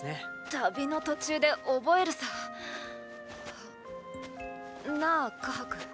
旅の途中で覚えるさ。なぁカハク。